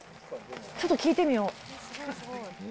ちょっと聞いてみよう。